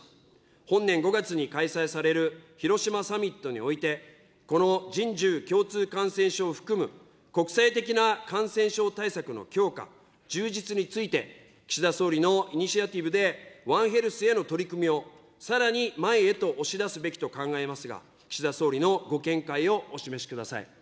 本年５月に開催される広島サミットにおいて、この人獣共通感染症を含む国際的な感染症対策の強化、充実について、岸田総理のイニシアチブでワンヘルスへの取り組みを、さらに前へと押し出すべきと考えますが、岸田総理のご見解をお示しください。